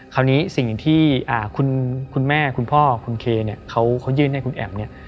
คุณแม่คุณพ่อคุณเคเขายื่นให้คุณแอบเนี่ย